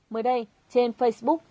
mới đây trên facebook